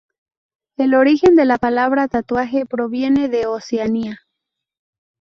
El origen de la palabra tatuaje proviene de Oceanía.